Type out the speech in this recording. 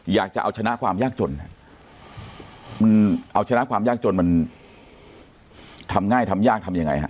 อยากจะเอาชนะความยากจนฮะมันเอาชนะความยากจนมันทำง่ายทำยากทำยังไงฮะ